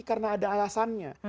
karena ada alasannya